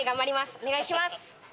お願いします。